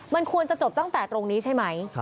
มันควรจะจบตั้งแต่ตรงนี้ใช่ไหม